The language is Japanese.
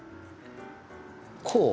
こう？